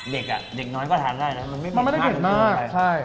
เด็กน้อยก็ทานได้นะมันไม่เป็นข้าวที่เกิดเลยมันไม่ได้เก็บมาก